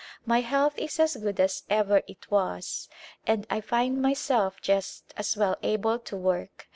My health is as good as ever it was and I find myself just as well able to work.